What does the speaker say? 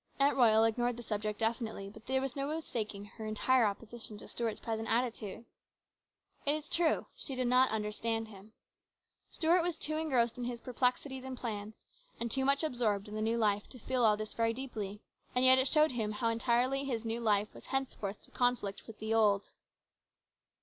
Aunt Royal ignored the subject definitely, but there was no mistaking her entire opposition to Stuart's present attitude. It was true she did not understand him. Stuart was too engrossed in his perplexities and plans, and too much absorbed in the new life to feel all this very deeply, and yet it showed him how entirely his new life was henceforth to conflict with the old.